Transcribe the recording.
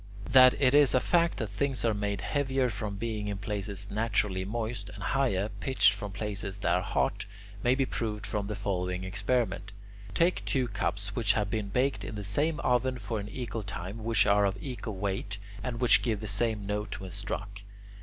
That it is a fact that things are made heavier from being in places naturally moist, and higher pitched from places that are hot, may be proved from the following experiment. Take two cups which have been baked in the same oven for an equal time, which are of equal weight, and which give the same note when struck.